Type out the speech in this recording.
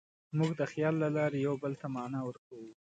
موږ د خیال له لارې یوه بل ته معنی ورکوو.